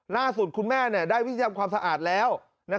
ล่าสุดคุณแม่ได้พิธีทำความสะอาดแล้ว